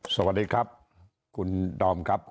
สวัสดีครับคุณดอมครับ